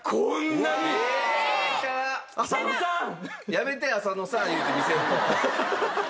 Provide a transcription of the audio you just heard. やめて「浅野さん！」言うて見せるの。